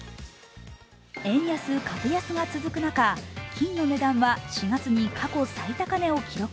円安・株安が続く中、金の値段は４月に最高値を記録。